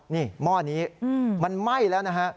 นี่หม้อนี้มันไหม้แล้วนะฮะ